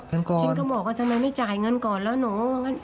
ฉันก็บอกว่าทำไมไม่จ่ายเงินก่อนแล้วหนู